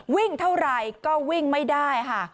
เท่าไรก็วิ่งไม่ได้ค่ะ